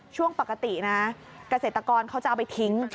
ช่วงปกตินะเกษตรกรเขาจะเอาไปทิ้ง